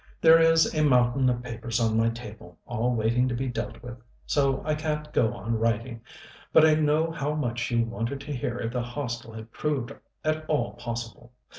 "There is a mountain of papers on my table, all waiting to be dealt with, so I can't go on writing; but I know how much you wanted to hear if the Hostel had proved at all possible.